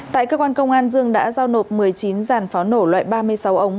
tại cơ quan công an dương đã giao nộp một mươi chín giàn pháo nổ loại ba mươi sáu ống